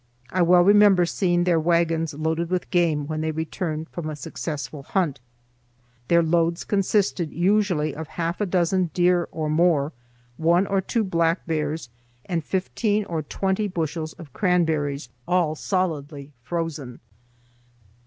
I well remember seeing their wagons loaded with game when they returned from a successful hunt. Their loads consisted usually of half a dozen deer or more, one or two black bears, and fifteen or twenty bushels of cranberries; all solidly frozen.